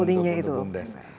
holdingnya itu bumdes